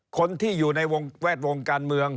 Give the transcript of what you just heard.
คนที่อยู่ในวงแวดวงการเมือง